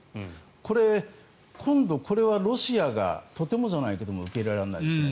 これ、今度これはロシアがとてもじゃないけど受け入れられないですね。